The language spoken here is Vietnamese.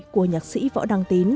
của nhạc sĩ võ đăng tín